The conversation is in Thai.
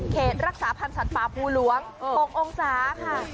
รักษาพันธ์สัตว์ป่าภูหลวง๖องศาค่ะ